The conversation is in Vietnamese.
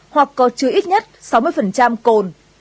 hoặc có chứa ít nhất sáu mươi cồn